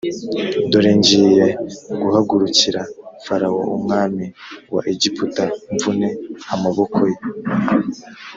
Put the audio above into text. dore ngiye guhagurukira farawo umwami wa egiputa mvune amaboko ye